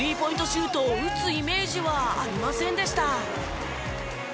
シュートを打つイメージはありませんでした。